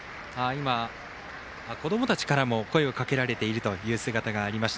今、子どもたちからも声をかけられる姿もありました。